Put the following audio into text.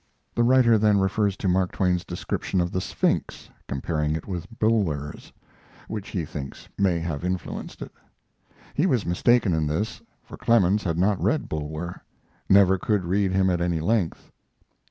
The writer then refers to Mark Twain's description of the Sphinx, comparing it with Bulwer's, which he thinks may have influenced it. He was mistaken in this, for Clemens had not read Bulwer never could read him at any length.